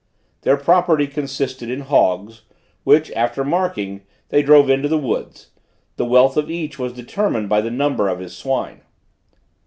Their property consisted in hogs, which, after marking, they drove into the woods: the wealth of each was determined by the number of his swine.